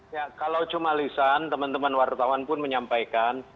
ya kalau cuma lisan teman teman wartawan pun menyampaikan